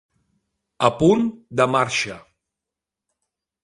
A punt de marxa.